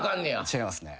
違いますね。